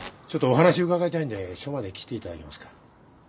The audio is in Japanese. ちょっとお話伺いたいんで署まで来ていただけますか？